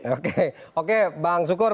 oke oke bang sukur